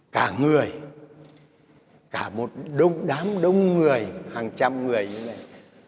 cả người cả một đông đám đông người hàng trăm người như thế này